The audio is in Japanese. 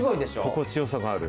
心地よさがある。